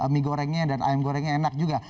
mie gorengnya dan ayam gorengnya enak juga